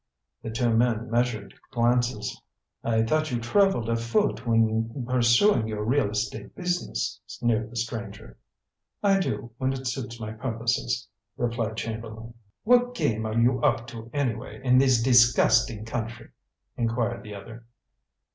The two men measured glances. "I thought you traveled afoot when pursuing your real estate business," sneered the stranger. "I do, when it suits my purposes," replied Chamberlain. "What game are you up to, anyway, in this disgusting country?" inquired the other.